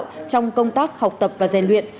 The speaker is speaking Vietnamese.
trong công tác học tập và dàn luyện